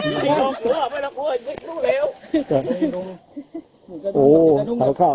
เหลืองเท้าอย่างนั้น